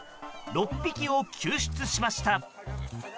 ６匹を救出しました。